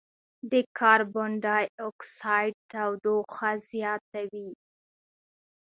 د کاربن ډای اکسایډ تودوخه زیاتوي.